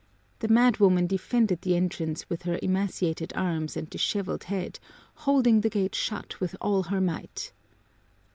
The madwoman defended the entrance with her emaciated arms and disheveled head, holding the gate shut with all her might.